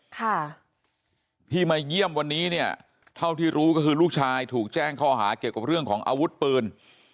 ค่ะที่มาเยี่ยมวันนี้เนี่ยเท่าที่รู้ก็คือลูกชายถูกแจ้งข้อหาเกี่ยวกับเรื่องของอาวุธปืน